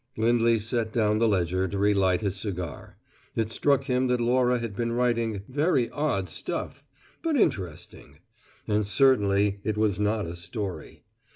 Lindley set down the ledger to relight his cigar. It struck him that Laura had been writing "very odd Stuff," but interesting; and certainly it was not a story.